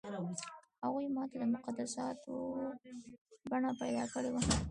هغو ماته د مقدساتو بڼه پیدا کړې وه.